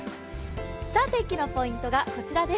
天気のポイントがこちらです。